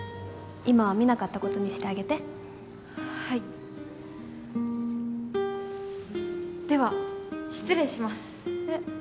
今は見なかったことにしてあげてはいでは失礼しますえっ？